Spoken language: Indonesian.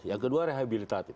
yang kedua rehabilitatif